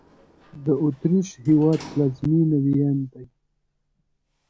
د اوترېش هېواد پلازمېنه وین دی